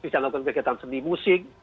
bisa melakukan kegiatan seni musik